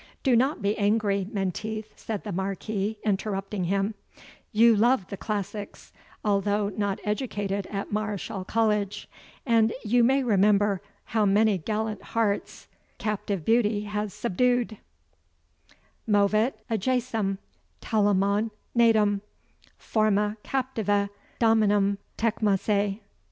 "Do not be angry, Menteith," said the Marquis, interrupting him; "you love the classics, though not educated at Mareschal College; and you may remember how many gallant hearts captive beauty has subdued: Movit Ajacem, Telamone natum, Forma captivae dominum Tecmessae.